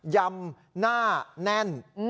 ยำหน้าแน่น